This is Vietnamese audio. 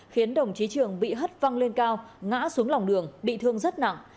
khiến đồng chí trường bị hất văng lên cao ngã xuống lòng đường bị thương rất nặng